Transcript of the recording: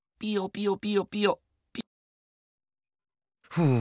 ふう。